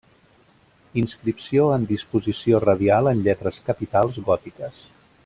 Inscripció en disposició radial en lletres capitals gòtiques.